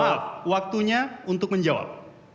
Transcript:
maaf waktunya untuk menjawab